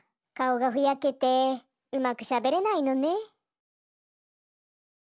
かおがふやけてうまくしゃべれないのね。